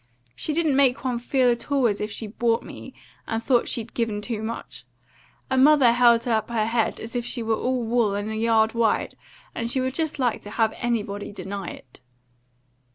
She didn't make one feel at all as if she'd bought me, and thought she'd given too much; and mother held up her head as if she were all wool and a yard wide, and she would just like to have anybody deny it."